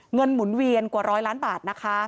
เงินหมุนเวียนกว่า๑๐๐ล้านบาท